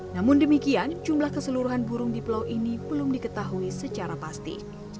namun demikian jumlah keseluruhan burung di pulau ini belum diketahui secara pasti